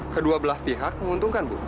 kedua belah pihak menguntungkan bu